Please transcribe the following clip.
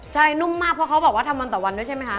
ใช่นุ่มมากเพราะเขาบอกว่าทำวันต่อวันด้วยใช่ไหมคะ